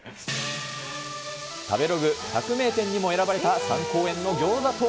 食べログ１００名店にも選ばれた三幸園の餃子とは。